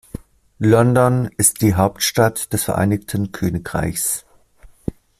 London ist die Hauptstadt des Vereinigten Königreichs.